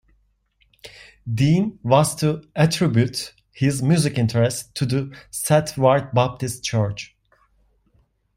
Dean was to attribute his music interest to the Seth Ward Baptist Church.